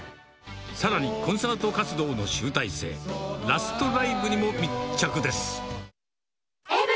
さらにコンサート活動の集大成、ラストライブにも密着です。